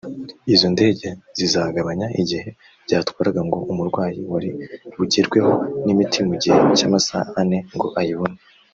Izo ndege zizagabanya igihe byatwaraga ngo umurwayi wari bugerweho n’imiti mu gihe cy’amasaha ane ngo ayibone